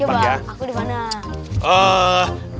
coba aku dimana